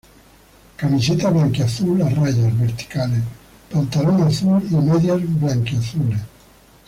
Camiseta blanquiazul a rayas verticales, pantalón azul y medias blanquiazules.